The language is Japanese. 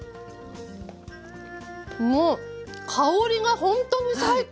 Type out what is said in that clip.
もう香りがほんとに最高！